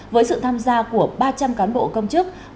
với sự tham gia của ba trăm linh cán bộ công chức